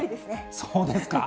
そうですか？